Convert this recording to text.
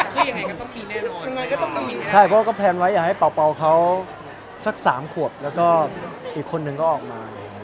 ใช่เพราะว่าก็แพลนไว้อย่าให้เป่าเขาสัก๓ขวบแล้วก็อีกคนหนึ่งก็ออกมา